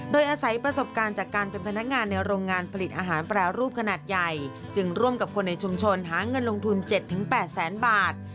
โดยอาศัยประสบการณ์จากการเป็นพนักงานในโรงงานผลิตอาหารแปรรูปขนาดใหญ่จึงร่วมกับคนในชุมชนหาเงินลงทุน๗๘แสนบาท